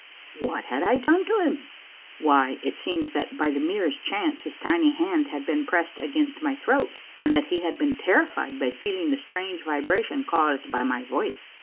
What had I done to him ? Why, it seems that by the merest chance his tiny hand had been pressed against my throat, and that he had been terrified by feeling the strange vibration caused by my voice.